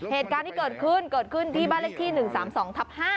เหตุการณ์ที่เกิดขึ้นเกิดขึ้นที่บ้านเลขที่๑๓๒ทับ๕